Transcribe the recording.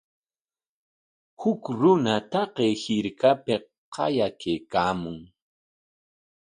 Huk runa taqay hirkapik qayakaykaamun.